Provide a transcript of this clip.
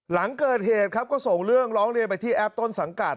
หลังเกิดเหตุครับก็ส่งเรื่องร้องเรียนไปที่แอปต้นสังกัด